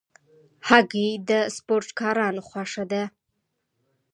هګۍ د سپورټکارانو خوښه ده.